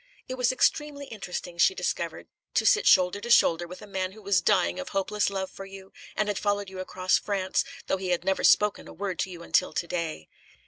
It was extremely interesting, she discovered, to sit shoulder to shoulder with a man who was dying of hopeless love for you, and had followed you across France, though he had never spoken a word to you until to day.